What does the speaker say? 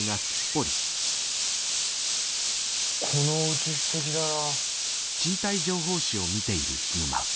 このおうちすてきだな。